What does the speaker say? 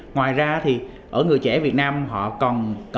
ngoài ra thì ở người trẻ việt nam họ cần có những thử thách